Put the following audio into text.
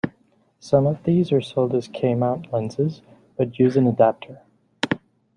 Some of these are sold as K-mount lenses but use an adapter.